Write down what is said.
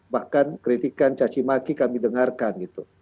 bahkan kritikan cacimaki kami dengarkan gitu